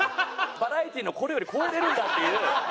バラエティーのこれより超えられるんだっていう。